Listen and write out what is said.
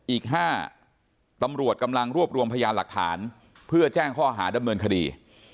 อีก๕ตำรวจกำลังรวบรวมพยานหลักฐานเพื่อแจ้งข้อหาดำเนินคดี